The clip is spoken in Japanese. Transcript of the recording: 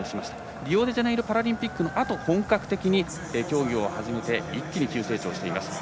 リオデジャネイロパラリンピックのあと本格的に競技を始めて一気に急成長しています。